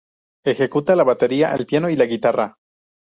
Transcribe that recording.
Ejecuta la batería, el piano y la guitarra.